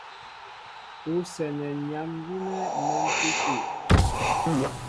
Ú sɛ́nɛ nyam gínɛ́ mɛ̌mpíki.